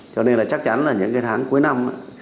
cho nên là chắc chắn là những cái tháng cuối năm